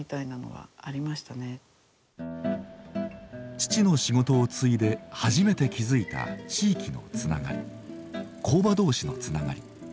父の仕事を継いで初めて気付いた地域のつながり工場同士のつながり。